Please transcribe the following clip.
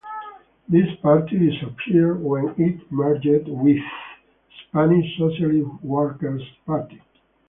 This party disappeared when it merged with Spanish Socialist Workers' Party.